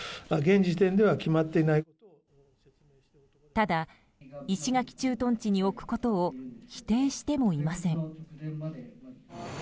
ただ、石垣駐屯地に置くことを否定してもいません。